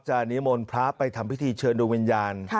นิมนต์พระไปทำพิธีเชิญดวงวิญญาณ